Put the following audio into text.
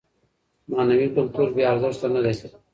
معنوي کلتور بې ارزښته نه دی.